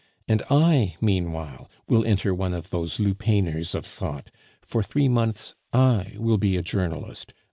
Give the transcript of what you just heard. And I, meanwhile, will enter one of those lupanars of thought; for three months I will be a journalist.